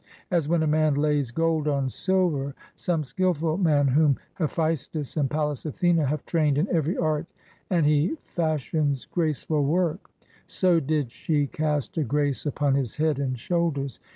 As when a man lays gold on silver, — some skillful man whom Hephaestus and Pallas Athene have trained in every art, and he fash ions graceful work ; so did she cast a grace upon his head and shoulders.